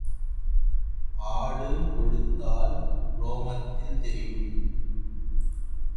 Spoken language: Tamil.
ஆடு கொழுத்தால் ரோமத்தில் தெரியும்.